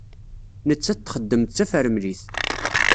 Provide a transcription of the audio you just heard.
Nettat txeddem d tafremlit.